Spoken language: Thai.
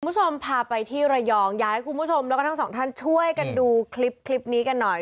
คุณผู้ชมพาไปที่ระยองอยากให้คุณผู้ชมแล้วก็ทั้งสองท่านช่วยกันดูคลิปคลิปนี้กันหน่อย